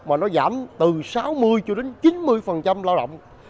mà nó giảm từ sáu mươi cho đến chín mươi lao động